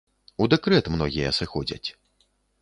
У дэкрэт многія сыходзяць.